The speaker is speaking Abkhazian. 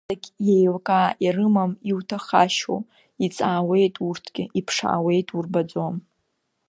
Иахьанӡагь иеилкаа ирымам иуҭахашьоу, иҵаауеит урҭгьы, иԥшаауеит урбаӡом.